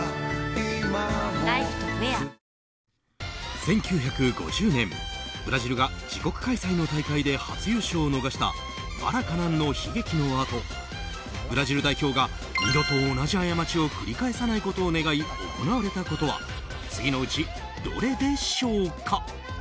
１９５０年ブラジルが自国開催の大会で初優勝を逃したマラカナンの悲劇のあとブラジル代表が二度と同じ過ちを繰り返さないことを願い行われたことは次のうち、どれでしょうか。